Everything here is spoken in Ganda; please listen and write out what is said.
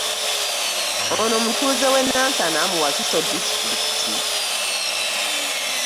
Ono mutuuze w'e Nansana mu Wakiso disitulikiti